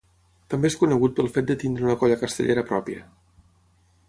També és conegut pel fet de tenir una colla castellera pròpia.